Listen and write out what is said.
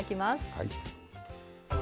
はい。